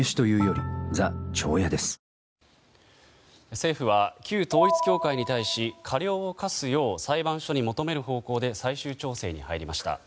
政府は旧統一教会に対し過料を科すよう裁判所に求める方向で最終調整に入りました。